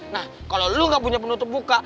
nah kalau lo gak punya penutup muka